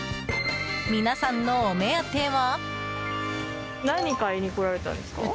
皆さんのお目当ては。